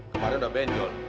kemarin udah benjol